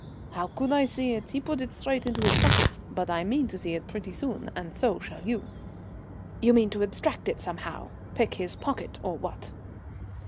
"How could I see it? He put it straight into his pocket. But I mean to see it pretty soon, and so shall you." "You mean to abstract it somehow pick his pocket, or what?"